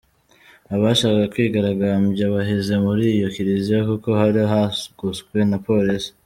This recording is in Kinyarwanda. Abashakaga kwigaragambya baheze muri iyo kiliziya kuko hari hagoswe na Polisi.